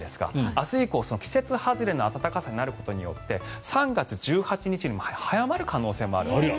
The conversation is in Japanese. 明日以降、季節外れの暖かさになることによって３月１８日に早まる可能性があるんです。